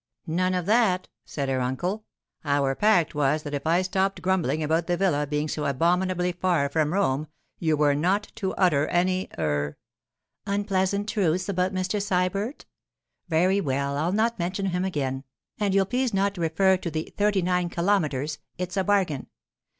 'None of that!' said her uncle. 'Our pact was that if I stopped grumbling about the villa being so abominably far from Rome, you were not to utter any—er——' 'Unpleasant truths about Mr. Sybert? Very well, I'll not mention him again; and you'll please not refer to the thirty nine kilometres—it's a bargain.